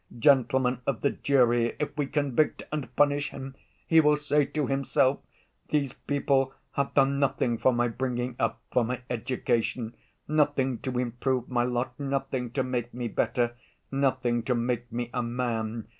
Gentlemen of the jury, if we convict and punish him, he will say to himself: 'These people have done nothing for my bringing up, for my education, nothing to improve my lot, nothing to make me better, nothing to make me a man.